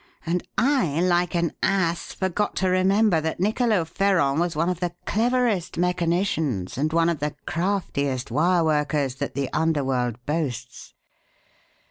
And I, like an ass, forgot to remember that Nicolo Ferrand was one of the cleverest mechanicians and one of the craftiest 'wire workers' that the underworld boasts.